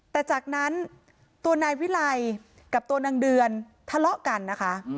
แต่จากนั้นตัวนายวิไลกับตัวนางเดือนทะเลาะกันนะคะ